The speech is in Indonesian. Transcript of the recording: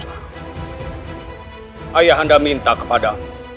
ayahanda minta kepada